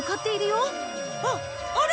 あっあれ！